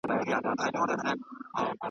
بزګران د خوړو تولید زیاتوي.